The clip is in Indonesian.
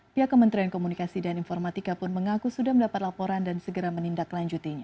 pihak kementerian komunikasi dan informatika pun mengaku sudah mendapat laporan dan segera menindaklanjutinya